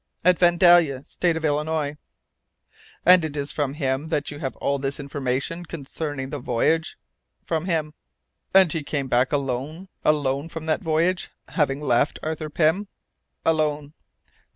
"At Vandalia, State of Illinois." "And it is from him that you have all this information concerning the voyage?" "From him." "And he came back alone alone from that voyage, having left Arthur Pym." "Alone!"